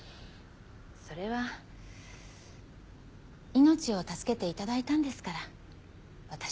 それは命を助けて頂いたんですから私は。